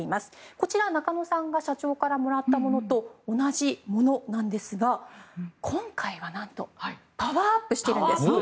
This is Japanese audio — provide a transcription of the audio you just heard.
こちら、中野さんが社長からもらったものと同じものなんですが今回はなんとパワーアップしているんです。